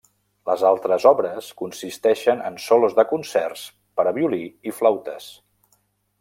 Les altres obres consisteixen en solos de concerts per a violí i flautes.